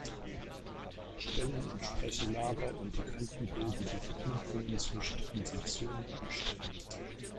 Stellen entsprechen Lager und die Kanten bilden die Verknüpfungen zwischen Transitionen und Stellen.